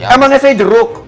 emangnya saya jeruk